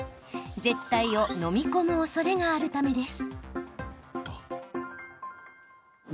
舌たいを飲み込むおそれがあるためです。